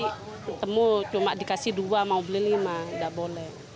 ketemu cuma dikasih dua mau beli lima tidak boleh